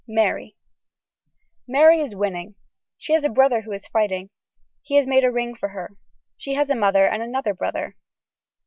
(Mary.) Mary is winning. She has a brother who is fighting. He has made a ring for her. She has a mother and another brother.